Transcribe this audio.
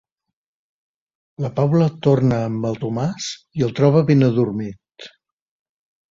La Paula torna amb el Tomàs i el troba ben adormit.